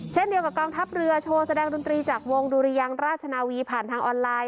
เช่นเดียวกับกองทัพเรือโชว์แสดงดนตรีจากวงดุรยังราชนาวีผ่านทางออนไลน์